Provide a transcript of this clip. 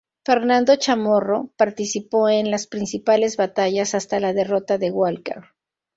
Fernando Chamorro participó en las principales batallas hasta la derrota de Walker.